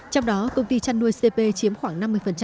trong đó công ty chăn nuôi cp chiếm khoảng năm mươi